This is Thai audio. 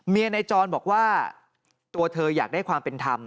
ในจรบอกว่าตัวเธออยากได้ความเป็นธรรม